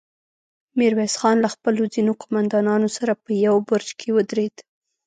ميرويس خان له خپلو ځينو قوماندانانو سره په يوه برج کې ودرېد.